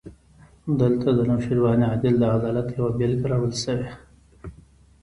دلته د نوشیروان عادل د عدالت یوه بېلګه راوړل شوې.